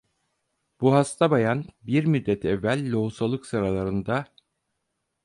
Bu hasta bayan, bir müddet evvel lohusalık sıralarında…